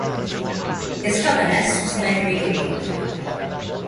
His governess was "Mary Green".